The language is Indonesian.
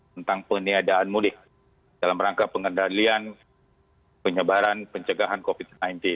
tentang peniadaan mudik dalam rangka pengendalian penyebaran pencegahan covid sembilan belas